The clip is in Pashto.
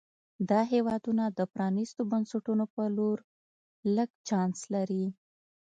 دا هېوادونه د پرانیستو بنسټونو په لور لږ چانس لري.